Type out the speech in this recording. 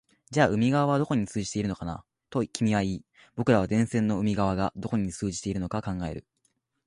じゃあ海側はどこに通じているのかな、と君は言い、僕らは電線の海側がどこに通じているのか考える